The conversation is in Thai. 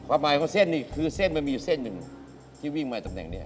ความหมายของเส้นนี่คือเส้นมันมีเส้นหนึ่งที่วิ่งมาจากแบบนี้